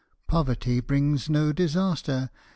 Poverty brings no disaster!